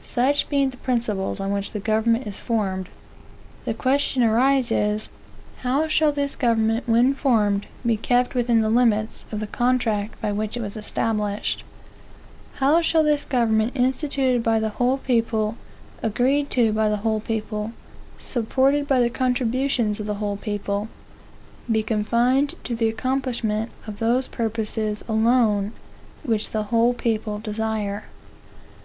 Such being the principles on which the government is formed, the question arises, how shall this government, where formed, be kept within the limits of the contract by which it was established? How shall this government, instituted by the whole people, agreed to by the whole people, supported by the contributions of the whole people, be confined to the accomplishment of those purposes alone, which the whole people desire?